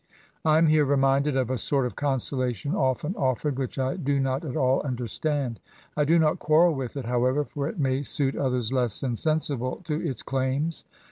I am here reminded of a sort of consolation, often offered, which I do not at all understand. I do not quarrel with it, however, for it may suit others less insensible to its claims.